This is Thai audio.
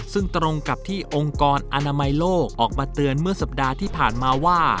ซึ่งตรงกับที่องค์กรอนามัยโลกออกมาเตือนเมื่อสัปดาห์ที่ผ่านมาว่า